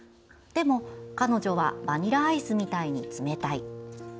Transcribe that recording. でも、彼女はバニラアイスみたいに冷たい。